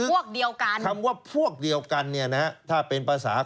คือคำว่าพวกเดียวกันถ้าเป็นภาษาของผม